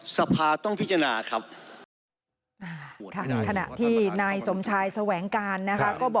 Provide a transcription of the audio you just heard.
สภาต้องพิจารณาครับ